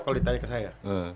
kalau ditanya ke saya